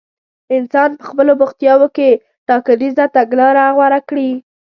انسان په خپلو بوختياوو کې ټاکنيزه تګلاره غوره کړي.